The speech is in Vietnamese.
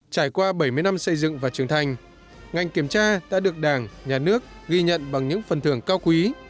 trải qua bảy mươi năm xây dựng và trưởng thành ngành kiểm tra đã được đảng nhà nước ghi nhận bằng những phần thưởng cao quý